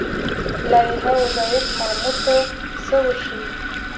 لایحه وظایف مامور ته څه ورښيي؟